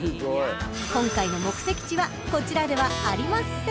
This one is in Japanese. ［今回の目的地はこちらではありません］